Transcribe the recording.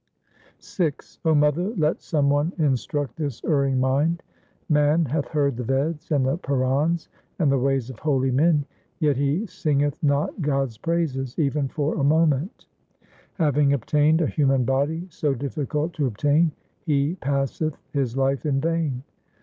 VI O mother, let some one instruct this erring mind. Man hath heard the Veds and the Purans and the ways of holy men, yet he singeth not God's praises even for a moment ; HYMNS OF GURU TEG BAHADUR 395 Having obtained a human body so difficult to obtain, he passeth his life in vain.